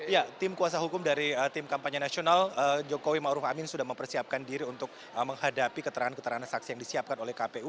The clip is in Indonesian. ya tim kuasa hukum dari tim kampanye nasional jokowi ⁇ maruf ⁇ amin sudah mempersiapkan diri untuk menghadapi keterangan keterangan saksi yang disiapkan oleh kpu